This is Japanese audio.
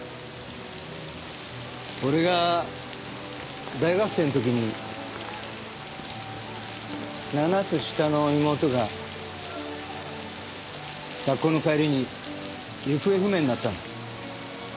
俺が大学生の時に７つ下の妹が学校の帰りに行方不明になったの。